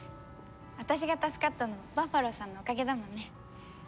私が助かったのもバッファローさんのおかげだもんね。